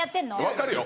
分かるよ。